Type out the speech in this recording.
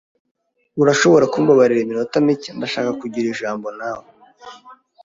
Urashobora kumbabarira iminota mike? Ndashaka kugira ijambo nawe.